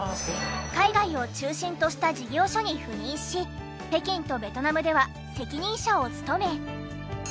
海外を中心とした事業所に赴任し北京とベトナムでは責任者を務め。